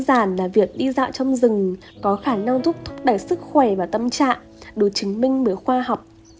chỉ đơn giản là việc đi dạo trong rừng có khả năng thúc đẩy sức khỏe và tâm trạng đủ chứng minh bởi khoa học